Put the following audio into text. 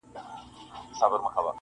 چي مو ګران افغانستان هنرستان سي.